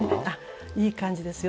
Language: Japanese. いい感じですよ。